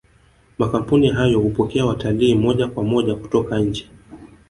makampuni hayo hupokea watalii moja kwa moja kutoka nje